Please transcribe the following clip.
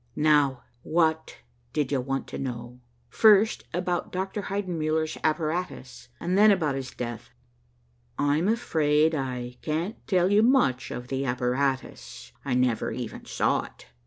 "Now, what did you want to know?" "First about Dr. Heidenmuller's apparatus, and then about his death." "I'm afraid I can't tell you much of the apparatus. I never even saw it.